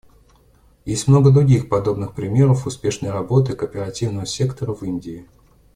Есть много других подобных примеров успешной работы кооперативного сектора в Индии.